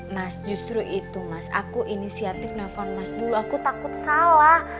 mas justru itu mas aku inisiatif nelfon mas dulu aku takut kalah